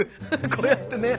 こうやってね。